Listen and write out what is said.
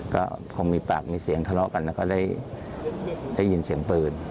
ก็คงมีปากมีเสียงทะเลาะกันแล้วก็ได้ยินเสียงปืน